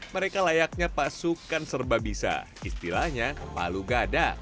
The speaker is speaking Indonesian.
mereka layaknya pasukan serbabisa istilahnya palu gada